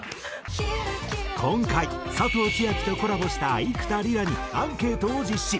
今回佐藤千亜妃とコラボした幾田りらにアンケートを実施。